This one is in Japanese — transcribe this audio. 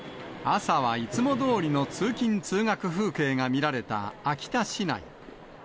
朝はいつもどおりの通勤・通学風景が見られた秋田市内。